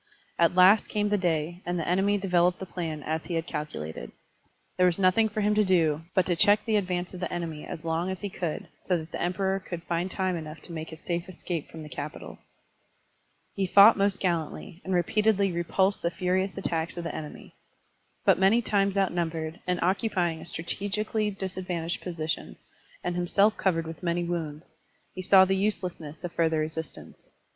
At last came the day, and the enemy developed the plan as he had calculated. There was nothing for him to do but to check the advance of the enemy as long as he cotdd, so that the Emperor could find time enough to make his safe escape from the capital. He fought most gallantly, and repeatedly repulsed the furious attacks of the enemy. But many times outnumbered, and occupying a strategically disadvantageous posi tion, and himself covered with many wounds, he saw the uselessness of further resistance.